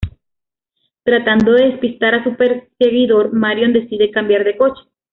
Tratando de despistar a su perseguidor, Marion decide cambiar de coche.